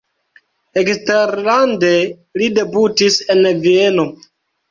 Eksterlande li debutis en Vieno.